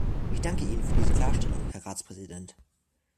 Ich danke Ihnen für diese Klarstellung, Herr Ratspräsident.